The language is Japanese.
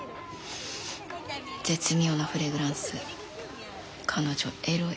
絶妙なフレグランス彼女エロい。